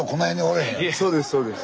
そうですそうです。